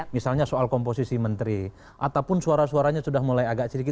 misalnya soal komposisi menteri ataupun suara suaranya sudah mulai agak sedikit